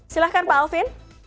silahkan pak alvin